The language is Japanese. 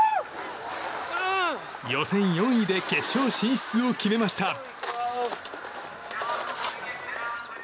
予選４位で決勝進出を決めました。